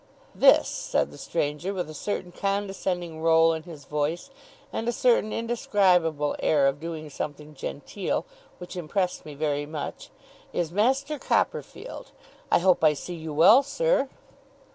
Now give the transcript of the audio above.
'This,' said the stranger, with a certain condescending roll in his voice, and a certain indescribable air of doing something genteel, which impressed me very much, 'is Master Copperfield. I hope I see you well, sir?